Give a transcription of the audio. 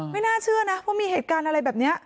ไม่น่าเชื่อนะว่ามีเหตุการณ์อะไรแบบนี้